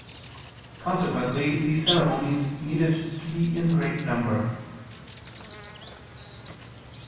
Consequently these ceremonies needed to be in great number.